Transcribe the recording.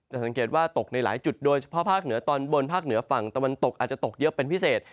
สังเกตว่าตกในหลายจุดโดยเฉพาะภาคเหนือตอนบนภาคเหนือฝั่งตะวันตกอาจจะตกเยอะเป็นพิเศษ